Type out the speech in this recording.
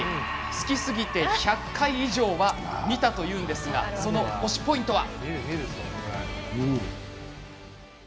好きすぎて１００回以上は見たというんですがその推しポイントは？